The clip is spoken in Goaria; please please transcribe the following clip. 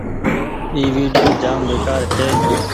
اي ويڊيو جآم بيڪآر ڇي۔